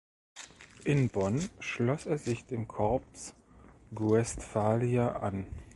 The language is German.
In Bonn schloss er sich dem Corps Guestphalia an.